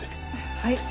はい。